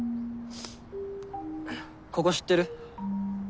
ここ知ってる？